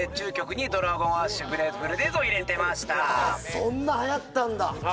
そんなはやったんだは